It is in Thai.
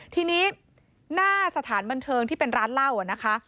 ทีนี้หน้าสถานบันเทิงที่เป็นร้านเหล้านะคะ